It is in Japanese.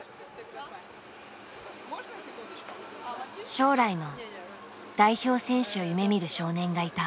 将来の代表選手を夢みる少年がいた。